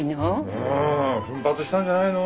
うん。奮発したんじゃないの？